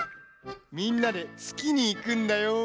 みんなでつきにいくんだよ！